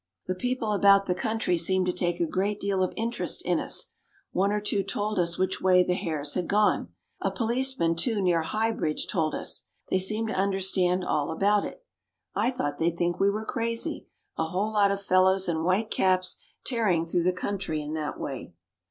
"The people about the country seemed to take a great deal of interest in us; one or two told us which way the hares had gone; a policeman too, near High Bridge, told us. They seemed to understand all about it. I thought they'd think we were crazy a whole lot of fellows in white caps tearing through the country in that way.